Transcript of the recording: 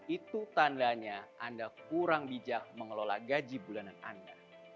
itu tandanya anda kurang bijak mengelola gaji bulanan anda